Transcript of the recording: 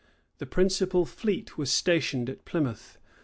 The principal fleet was stationed at Plymouth.